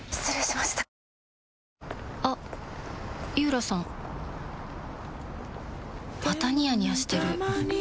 またニヤニヤしてるふふ。